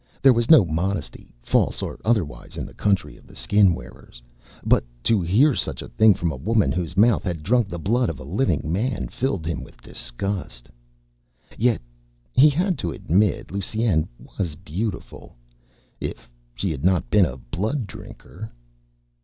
There was no modesty, false or otherwise in the country of the Skin wearers. But to hear such a thing from a woman whose mouth had drunk the blood of a living man filled him with disgust. Yet, he had to admit Lusine was beautiful. If she had not been a blood drinker....